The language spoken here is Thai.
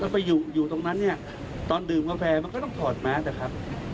ไปอยู่ตรงนั้นเนี่ยตอนดื่มกาแฟมันก็ต้องถอดแมสนะครับ